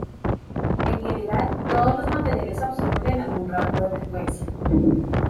En general, todos los materiales absorben en algún rango de frecuencias.